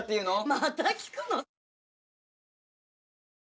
また聞くの？